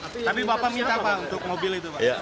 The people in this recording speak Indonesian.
tapi bapak minta pak untuk mobil itu pak